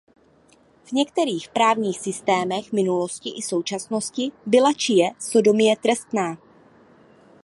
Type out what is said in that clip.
V některých právních systémech minulosti i současnosti byla či je sodomie trestná.